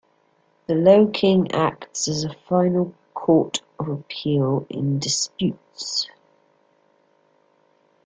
The Low King acts as a final court of appeal in disputes.